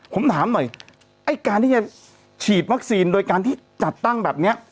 ผมถามหน่อยไอ้การที่จะฉีดวัคซีนโดยการที่จัดตั้งแบบนี้